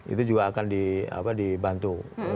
itu juga akan dibantu